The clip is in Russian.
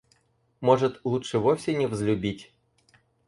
Может, лучше вовсе не возлюбить?